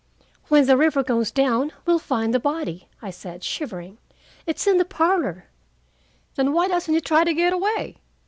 "When the river goes down, we'll find the body," I said, shivering. "It's in the parlor." "Then why doesn't he try to get away?"